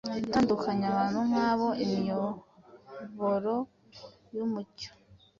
Gutandukanya abantu nk’abo n’imiyoboro y’umucyo,